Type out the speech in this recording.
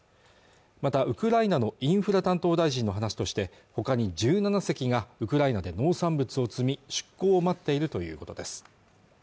またウクライナのインフラ担当大臣の話としてほかに１７隻がウクライナで農産物を積み出港を待っているということです